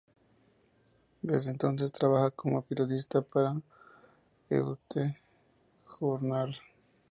Desde entonces trabaja como periodista para "heute-journal".